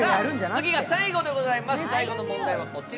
次が最後でございます。